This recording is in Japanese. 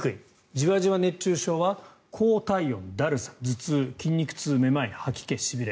じわじわ熱中症は高体温、だるさ、頭痛筋肉痛、めまい、吐き気、しびれ